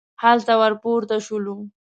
هلته ور پورته شولو.